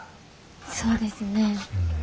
そうですね。